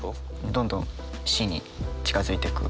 どんどん死に近づいていく。